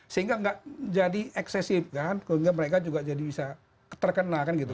sehingga nggak jadi eksesif kan sehingga mereka juga jadi bisa terkena kan gitu